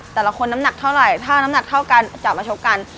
แต่ละคนน้ำหนักเท่าไหร่ถ้าน้ำหนักเท่ากันจะมาชกกัน